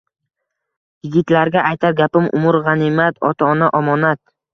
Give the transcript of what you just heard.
Yigitlarga aytar gapim: umr – g‘animat, ota-ona – omonat.